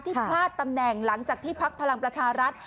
พลาดตำแหน่งหลังจากที่พักพลังประชารัฐ